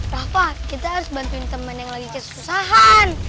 rafa kita harus bantuin temen yang lagi kesusahan